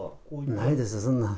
ないです、そんなん。